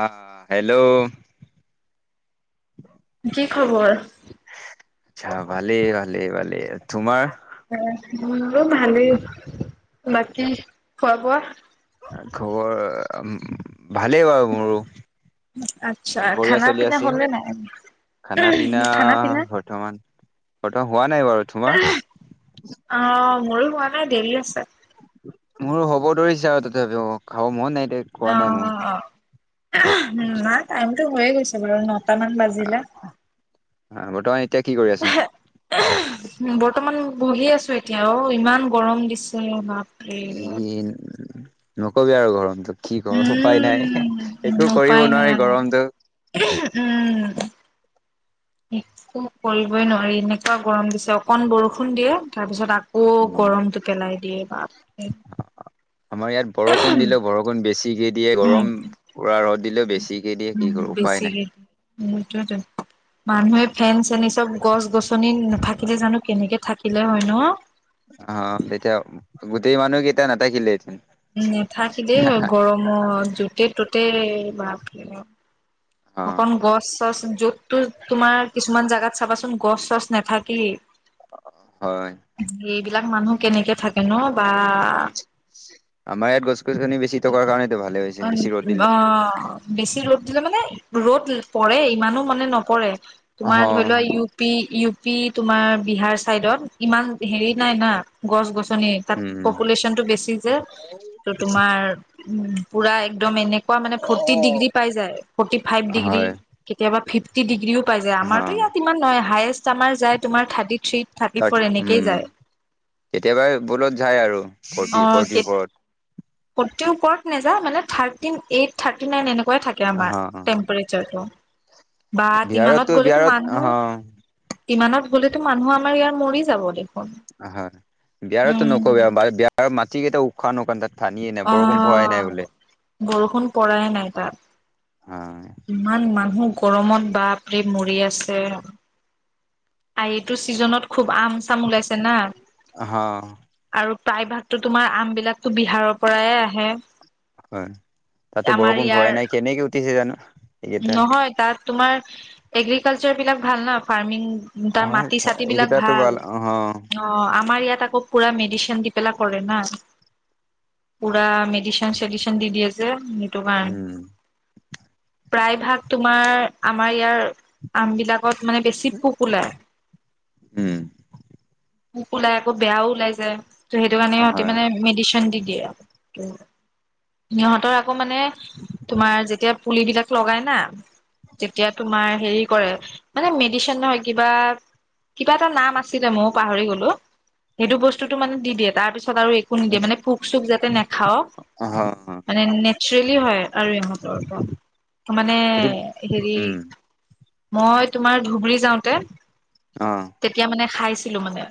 অ hello কি খবৰ? আটচা। ভালেই, ভালেই, ভালেই। তোমাৰ? আহ ভালেই। বাকী খোৱা বোৱা? খবৰ ভালেই বাৰু মোৰো। আটছা। বঢ়িয়া চলি খানা-পিনা আছে হলে নে খানা পিনা নাই? খানা-পিনা? বৰ্তমান বৰ্তমান হোৱা নাই বাৰু তোমাৰ অ মোৰো হোৱা ন দেৰি আছে। মোৰো হ'ব ধৰিছে আৰু তথাপি অ খাব মন নাই এতিয়া খোৱা অ নাই মোৰ আচ্ছা, নাই টাইমটো হৈয়ে গৈছে বাৰু নটা মান বাজিলে বৰ্তমান এতিয়া কি কৰি আছা বৰ্তমান বহি আছো এতিয়া অ ইমান গৰম দিছে ভাত [unintelligible] নকবি আৰু গৰমটো কি কৰো উপায় নাই উম একো কৰিব উপায় নোৱাৰি নাই গৰমটো উম। একো কৰিবই নোৱাৰি এনেকুৱা গৰম দিছে অকন বৰষুণ দিয়ে তাৰ পিছত আক- কৌ উম গৰমটো পেলাই দিয়ে পাপ হ আমাৰ ইয়াত বৰষুণ দিলেও বৰষুণ বেছিকে দিয়ে উম গৰম পুৰা ৰ'দ দিলেও বেছিকে দিয়ে কি কৰো উপায় নাই সেইটোৱেটো মানুহে ফেন চেন এই চব গছ গছনি নাথাকিলে জানো কেনেকে থাকিলে হয় ন অ তেতিয়া গোটেই মানুহ কেইতা নাথাকিলে হেতেন উ নাথাকি দেই গৰমত যোতে ততে [unintelligible] অ অকন গছ চছ যততো তোমাৰ কিছুমান জাগাত চাবাচোন গছ চচ নাথাকি হয় বিলাক মানুহ কেনেকে থাকে ন বা আমায়াত গছ- গছনি বেছি থকাৰ কাৰণেতো ভালে হৈছে অ বেছি ৰ'দ দিলে অ বেছি ৰ'দ দিলে মানে ৰ'দ পৰে ইমানো মানে নপৰে অ তোমাৰ ধৰি লোৱা ইউ পি ইউ পি তোমাৰ বিহাৰ চাইদত ইমান হেৰি নাই না গছ গছ- নি তাত উম পপুলেশ্যনটো বেছি যে ত তোমাৰ উম পুৰা এক- দম এনেকুৱা মানে ফৰ্টি ডিগ্ৰী পাই যায় ফৰ্টি ফাইভ ডিগ্ৰী হয় কেতিয়াবা ফিফ- টি ডিগ্ৰীও পাই যায় হ আমাৰতো ইয়াত ইমান নাই হায়েছ আমাৰ যায় তোমাৰ থাৰ্টি থ্ৰী থাৰ্টি তাত ফ'ৰ এনেকেই উম যায় ফৰটি ওপৰত। ফৰ্তি উপৰত নযাই, মানে থাৰ্তি এইট, থাৰ্তি নাইন এনেকুৱা ুৱাই থাকে অ আমাৰ অ', টেম্পৰেচাৰটো বিহাৰতো বিহাৰত অ' ইমানত গ'লেতো মানুহ আমাৰ ইয়াৰ মৰি যাব দে অ বিয়াৰতো নকবি বিয়াৰ ম ঠিকেইছে অ' বৰষুণ পৰায় নাই অ তাত ইমান মানুহ। গৰমত বাপৰি মৰি আছে আটো চিজনত খুব আম চাম ওলাইছে না হ! আৰু প্ৰায়ভাগতো তোমাৰ আম বিলাকো বিহাৰৰ পৰায়ে আহে হয় তাতো আমাৰ বৰষুণ ইয়াৰ হোৱাই নাই, কেনেকে উঠিছে জানো- এইকেইটা নহয় তাত তোমাৰ এগ্ৰিকালচাৰ বিলাক ভাল ন ফাৰ্মিং উ তাৰ হয় মাটি চাটি বিলাক এইকেইটাতো ভাল, অহ অ' আমাৰ ইয়াত আকৌ পুৰা মেডি দি পেলা কৰে ন, পুৰা মেডিচন চেডচন দি দিয়ে যে সেইটোকাৰনে - উম প্ৰায় ভাগ তোমাৰ আমাৰ ইয়াৰ আম বিলাক ত মানে বেছি পোক ওলায়। উম পুোক ওলাই আকৌ বেয়াও ওলাই যায়। ত' সেইটো কাৰণে সিহতি হয় মানে মেডিচিন দি দিয়ে আৰু সিহঁতৰ আকৌ মানে তোমাৰ যেতিয়া পুলিবিলাক- লগাই, না। তেতিয়া, তোমাৰ? হেৰি কৰে মানে, মেডিচিন নহয় কিবা, কিবা এটা নাম আছিলে ময় পাহৰি গ'লো সেইটো বস্তুতো মানে দি, দিয়ে তাৰপিছত আৰু একো নিদিয়ে মানে পোক চোক যাতে নাখাও আ হ মানে নেচাৰেলি হয়, আৰু ইহঁতৰ পৰা। মানে এইটো হেৰি? উম মই তোমাৰ ধুবুৰী। যাওঁতে অ তেতিয়া মানে খাই দিলো মানে।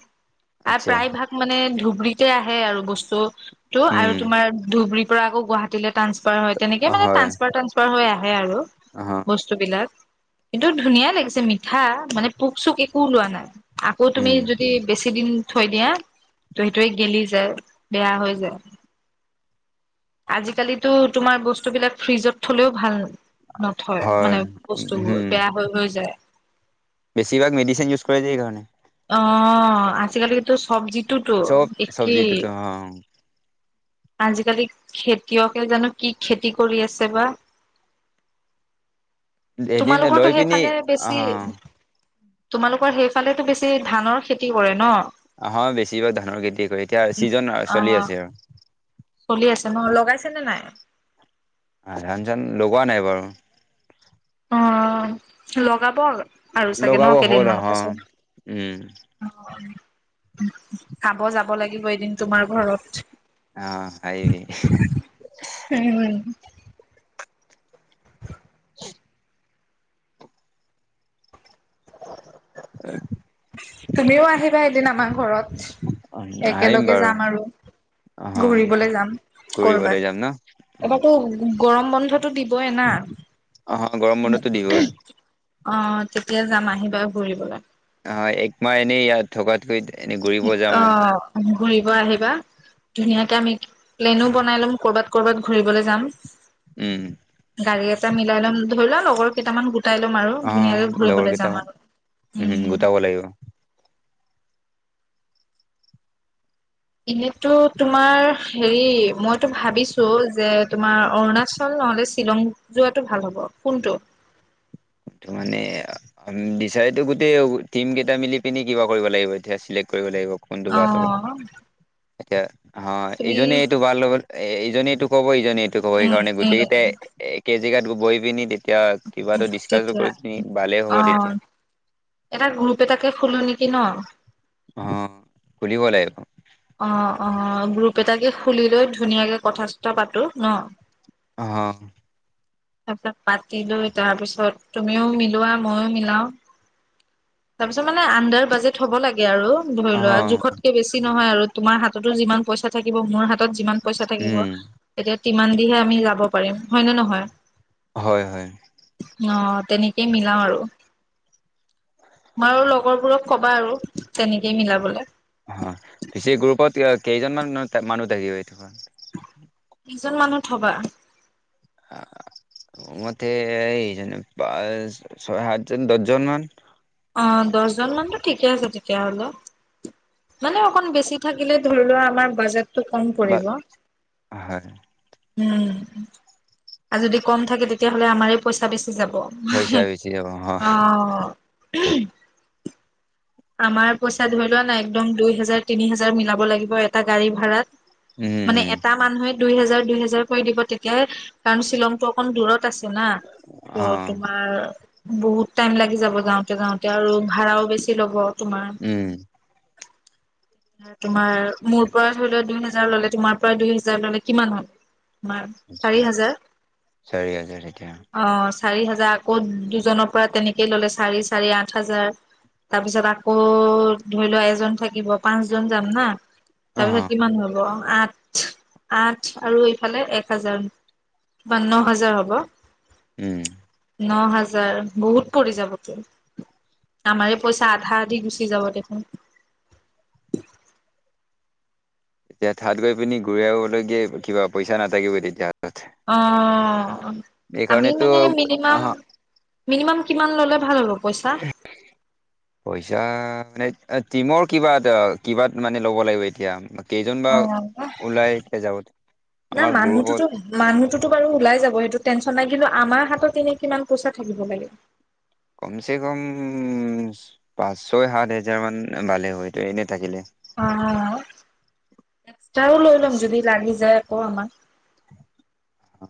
আৰু আচ্ছা প্ৰায় ভাগ মানে ধু তেতিয়া আহে আৰু বস্তু। টো উম আৰু তোমাৰ ধুবুৰীত। পৰা আকৌ গুৱাহাটীলৈ। টান্ফাৰ হয়, তেনেকে মানে হয় ট্ৰনফাৰ ট্ৰনফাৰ হৈ, আহে। অহ বস্তু বিলক। কিন্তু ধুনীয়া লাগিছে, মিঠা মানে পোক, চোক একোওলোৱা নাই। আকৌ তুমি উম যদি বেছি দিন। থৈ দিয়া ত সেইটোৱে গেলি যায়, বেয়া হৈ যায়। আজিকালিতো তোমাৰ বস্তু বিলাক ফ্ৰিজত থলেও ভাল। নথয় হয় মানে বস্তুবোৰ উম বেয়া হৈ, হৈ যায়। বেছিভাগ মেডিচিন ইউজ কৰে, সেইকাৰণে। অ, আজি কালিতো চব্জিত চব-চব্জিটোটো, হ। আজিকালি খেতিয়কে জানো কি খেতি কৰি আছে বা। এদিন তোমালোকৰতো লৈ পিনি সেইফালে অ। বেছি তোমালোকৰ সেইফালেতো বেছি। ধানৰ খেতি কৰে ন। আহ বেছিভাগ ধানৰ খেতি কৰে, এতিয়া চিজন চলি অ' আছে অহ চলি আছে ন, লগাইছে নে নাই? আহ ধান-চান লগোৱা নাই বাৰু। অ, লগাব। আৰু চাগে ন, লগাব হ'ল অহ কেইদিনমানৰ উম পাছত খাব, যাব লাগিব এদিন তোমাৰ ঘৰত। অহ, আহিবি। [unintelligible] [unintelligible] তুমিও আহিবা এদিন আমাৰ ঘৰত আহিম একেলগে বাৰু যাম আৰু অহ ঘূৰিবলৈ যাম ঘুৰিবলৈ কৰবাত যাম ন? এবাৰটো গৰম বন্ধত টো দিবই না। অ', গৰম বন্ধতো দিবই। অ তেতিয়া যাম আহিবা ঘুৰিবলৈ অ এক মাহ এনেই ইয়াত থকাতকৈ এনেই ঘূৰিব যাম অ আৰু ঘুৰিব আহিবা ধুনীয়াকে আমি প্লেনো বনাই লম কৰ'বাত কৰবাত ঘুৰিবলৈ যাম উম গাড়ী মিলাই লম ধৰি লোৱা লগৰ কেইটামান গোটাই লম আৰু অ', ধুনীয়াকে লগৰ ঘুৰিবলৈ যাম কেইটামান আৰু উম গোটাব লাগিব এনেতো তোমাৰ হেৰি মই এইটো ভাবিছো যে তোমাৰ অৰুণাচল নহ'লে শ্বিলং যোৱাটো ভাল হ'ব কোনটো? এইটো মানে, বিছাৰিটো গোটেই টিম কেইটা মিলি পিনি কিবা কৰিব লাগিব এতিয়া, চিলেক্ট কৰিব লাগিব। কোনটো ভাল হ'ব। আহ। এতিয়া। অ', ইজনে এইটো [unintelligible] লগত এই ইজনেইতো কবই। এইটো ক'ব উম সেইকাৰণে এ গোটেই কেজিকাত বৈ পিনি দি। এতিয়া কিবা দি তেতিয়া কৰি পি ভালেই অ হ'ব তেতিয়া। এটা গ্ৰুপ এটাকে খোলো নেকি ন। অ', কুলি বলাই অ, অ, গ্ৰুপ এটাকে খুলি লৈ ধুনীয়াকে কথা চথা পাতো ন। অ, তাৰপিছ পাতি লৈ তাৰপিছত তুমিও মিলোৱা মইও মিলাও তাৰপিছত মানে আডাৰ বাজেট থ'ব লাগে আৰু ধৰি লোৱা অ', জোখতকে বেছি নহয় আৰু তোমাৰ হাত হাততো যিমান পইচা থাকিব মোৰ হাতত যিমান। পইচা থাকিব উম, এতিয়া ইমান দিহে আমি যাব পাৰিম হয় ন নহয়। হয় হয়। অ, তেনেকেই মিলাও আৰু মই লগৰবোৰক কবা আৰু তেনেকেই মিলাবলে। অ, পিছে গ্ৰুপত কেইজনমানান মানুহ থাকিব এইটো। কজন মানুহ থবা। মতে এই যে প ছয় সাতজন দহজন মান অ দহজন মানতো ঠিকে আছে তেতিয়া হলে। মানে অকন বেছি থাকিলে ধৰি লোৱা আমাৰ বাজেট টো কম বা পৰিব। হয় উম আৰু যদি কম থাকে তেতিয়াহ'লে আমাৰে পইচা বেছি যাব অ। পইচা বেছি যাব অ আমাৰ পইচা ধৰি লোৱা নাই একদম দুই হেজাৰ তিনি হেজাৰ মিলাব লাগিব এটা গাড়ী ভাড়াত। উম মানে উম এটা মানুহে দুই হেজাৰ দুই হেজাৰ কৰি দিব তেতিয়াহে কাৰণ শ্বিলংতটো অকণ দূৰত আছে না অ ত' তোমাৰ। বহুত টাইম লাগি যাব যাওঁতে যাওঁতে আৰু ভাড়াও বেছি। ল'ব। তোমাৰ। উম। তোমাৰ মোৰ পৰা ধৰি লোৱা দুই হেজাৰ ললে তোমাৰ পৰা দুই হেজাৰ ললে কিমান হল। তোমাৰ চাৰি আ হাজাৰ চাৰি হাজাৰ এতিয়া। অ' চাৰি হাজাৰ আকৌ দুজনৰ পৰা তেনেকেই ললে চাৰি চাৰি আঠ হাজাৰ। তাৰ পিছত আকৌ ধৰি লোৱা এজন থাকিব। পাঁচ জন যাম হা অ তাৰপিছত কিমান হব অ আঠ। আঠ আৰু এইফালে এক হাজাৰ বা ন হাজাৰ হ'ব। উম ন হাজাৰ বহুত পৰি যাবত আমাৰে পইচা আধা দি গুচি যাব দেখোন। এতিয়া থাত গৈ পিনি ঘূৰাই আহবলৈগে কিবা পইচা নাথাকিবই তেতিয়া। হাতত অ আমি এইকাৰণেতো মানে মিনিমাম আহ মিনিমাম কিমান ল'লে ভাল হ'ব পইচা? পইচা টিমৰ কিবা এ কিবাত মানে ল'ব লাগিব এতিয়া। কেইজন বা অ ওলাই এতিয়া যাব নাই আমাৰ গ্ৰুপত মানুহোতো মানুহটোতো বাৰু ওলাই যাব সেইটো টেন লাগিলো আমাৰ হাতত এনে কিমান পইচা থাকিব লাগে। কম চে কম উ পাঁচ ছয় সাত হেজাৰ মান ভালে হয়ত এনে। থাকিলে। এক তাৰো লৈ ল'ম যদি লাগি যায়। ক আমাৰ উ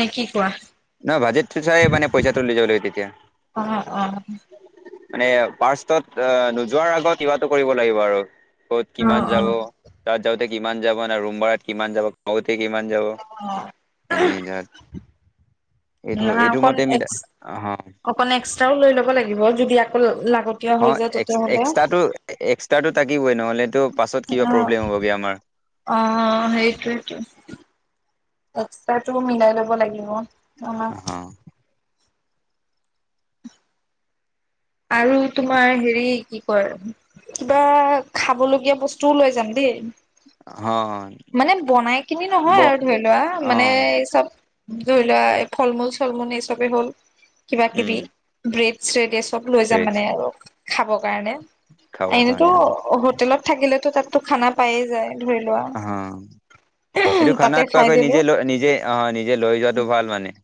নে কি কোৱা? নহ বাজেট চাই মানে পইচাটো লৈ যাব লাগিব তেতিয়া। অ অ মানে পাৰ্ষটত নোযোৱাৰ আগত কিবাটো কৰিব লাগিব আৰু। ক'ত অ কিমান অ অ যাব তাত যা কিমান যাব ন ৰুম ভাৰাত কিমান যাব। কিমান যাব এনে যাত এইটো নহয় এইটো অকন মতে মিলা এক্স অ অকন এক্সট্ৰাও লৈ ল'ব লাগিব যদি আকৌ লাগতীয়া অ হৈ যায় তেতিয়াহ'লে এক্সট্ৰটো এক্সট্ৰটো থাকিবই নহ'লেতো পাছত কিবা অ প্ৰব্লেম হ'বগে আমাৰ। অ সেইটোৱেটো। এক্সট্ৰাটো মিলাই ল'ব লাগিব অ। অহ আৰু তোমাৰ হেৰি কি কয়? কিবা খাব লগীয়া বস্তুও লৈ যাম দেই। অ মানে বনাই কিনি ব নহয় আৰু ধৰি লোৱা, অ মানে এই চব। ধৰি লোৱা এই ফল মূল চল মূল এই চবেই হ'ল। কিবা উম কিবি ব্ৰেদ [unintelligible] চব লৈ যাম ভেজ মানে আৰু। খাব। কাৰনে খাবৰ এনেতো কাৰণে হোটেলত থাকিলেতো তাত অ এইটো তাতে খানাত খাই কোৱাকৈ দিলো নিজে লৈ নিজে আহ নিজে লৈ যোৱাাতটো ভাল মানে।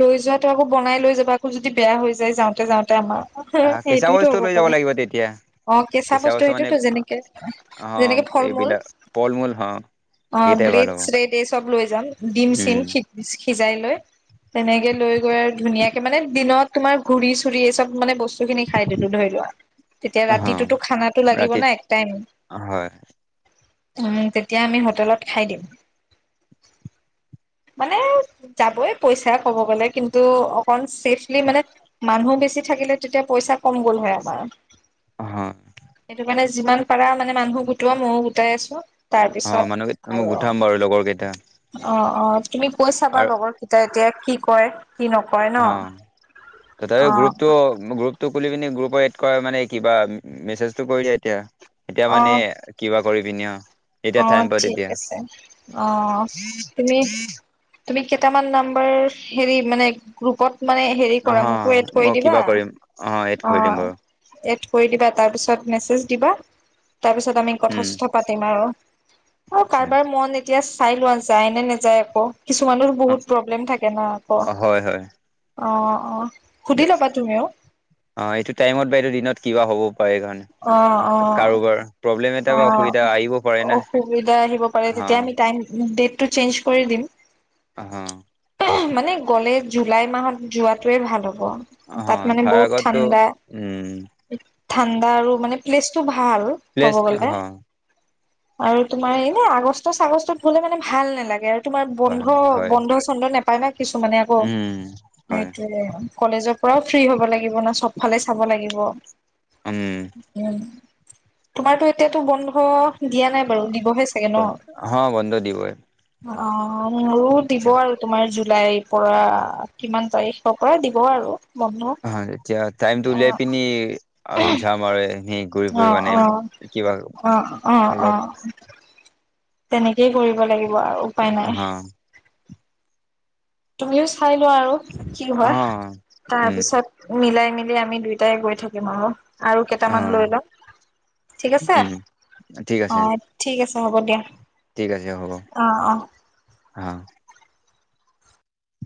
লৈ যোৱাটো আকৌ বনাই লৈ যাবা যদি বেয়া হৈ যায় যাওঁতে যাওঁতে আমাৰ। আহ কেঁচা সেইটোওতো বস্তু হ'ব লৈ যাব পাৰে। লাগিব তেতিয়া অ কেঁচা বস্তু সেইটোতো যেনেকে অ যেনেকে ফল মূল, এইবিলাক ফল মূল হ অ এইকেইটাই ভাল ব্ৰেড হ'ব চ্ৰেড এই চব লৈ যাম ডিম উম চিমিক। সিজাই লৈ। তেনেকে লৈ গৈ আৰু ধুনীয়াক মানে দিনত তোমাৰ ঘূৰি চুৰি এই চব মানে বস্তু বস্তু খিনি খাই দিলো ধৰি লোৱা, তেতিয়া হ ৰাতিটোতো খানাতো লাগিব ৰাতি না এক টাইম হয় উম তেতিয়া আমি হোটেলত খাই দিম। মানে যাবই পইচাই ক'ব গ'লে কিন্তু অকণ চেফলি মানে মানুহ বেছি থাকিলে তেতিয়া পইচা কম গ'ল হয় আমাৰ। অ সেইটো কাৰণে যিমান পাৰা মানে মানুহ গোটোৱা। মইয়ো গোটাই আছো। অ তাৰপিছত মানুহ কেই মই আৰু গোটাম বাৰু লগৰ কেইটা। অ অ তুমি কৈ চাবা আৰু লগৰ তেতিয়া কি কয়। কি নকয় ন অ, তাকে অ গ্ৰুপটো গ্ৰুপ গ্ৰুপটো খুলি পিনি গ্ৰুপত এড কৰা মানে কিবা, মেছেজটো কৰি দিয়া এতিয়া। এতিয়া অ মানে, কিবা কৰি পিনে অ। এতিয়া টাইম অ', পাওঁ ঠিক তেতিয়া আছে। অ, তুমি তুমি কেইটামান নাম্বাৰ, হেৰি মানে গ্ৰুপত মানে হেৰি অ কৰা, মোকো এড কৰি মই দিবা। কিবা কৰিম এড অ, কৰি দিম বাৰু এড কৰি দিবা। তাৰপিছত মেছেজ দিবা। তাৰ পিছত আমি উম কথা-চথা পাতিম আৰু। অ, আচ্ছা কাৰোবাৰ মন এ এতিয়া চাই লোৱা যায় নে নেযায় আকৌ। কিছুমানৰ বহুত প্ৰব্লেম থাকে ন আকৌ। অ হয় হয় অ, অ। সুধি ল'বা তুমিও অ, এইটো টাইমত বা এইটো দিনত কিবা হ'ব হয়, সেইকাৰণে। অ কাৰোবাৰ প্ৰব অ, অসুবিধা আহিব পাৰে হ তেতিয়া আমি টাইম, দে টো চেঞ্জ কৰি দিম। অ। মানে গ'লে জুলাই মাহত যোৱাটোৱে ভাল হব। ব, হ তাত মানে তাৰ বহুত আগতো ঠাণ্ডা। উম ঠাণ্ডা আৰু মানে প্লেচটো ভাল। ক'ব প্লেছ অ'। গ'লে। আৰু তোমাৰ এনে আগষ্ট ছাগষ্টত গ'লে মানে ভাল নালাগে। তাকে তোমাৰ বন্ধ, হয় বন্ধ চন্ধ না [unintelligible] কিছুমানে আকৌ, উম হয় সেইটোৱেই কলেজত পৰাও ফ্ৰী হ'ব লাগিব ন চবত ফালে চাব লাগিব। উম। তোমাৰতো এতিয়াতো বন্ধ দিয়া নাই বাৰু দিবহে চাগে ন। অ। অ', হ বন্ধ দিবই মোৰো দিব আৰু তোমাৰ জুলাইত পৰা, কিমান তাৰিখৰ পৰা দিব আৰু। বন্ধ হয়, এতিয়া টাইমটো অ উলিয়াই পিনি আৰু ঝাম আৰু এনেই ঘূৰি ফুৰিব মানে অ' অ' কিবা অ' অলপ অ' অ'। তেনেকেই কৰিব লাগিব কোৱা আৰু, উপাই হ নাই। তুমিও চাই লোৱা আৰু। কি অ হয়, উম তাৰপিছত মিলাই মিলি আমি দুইটাই গৈ থাকিম আও। আৰু অ কেইটামান লৈ ল'ম, ঠিক আছে? উম ঠিক আছে অ' ঠিক আছ হ'ব দিয়া। ঠিক আছে হ'ব, অ অ অ'।